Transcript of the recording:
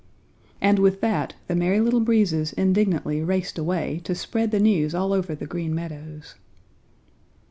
And with that the Merry Little Breezes indignantly raced away to spread the news all over the Green Meadows.